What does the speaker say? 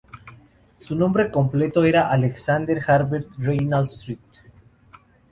Su nombre completo era Alexander Herbert Reginald St.